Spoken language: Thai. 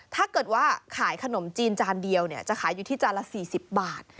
ถ้าเกิดว่าขายขนมจีนจานเดียวจะขายอยู่ที่จานละ๔๐บาท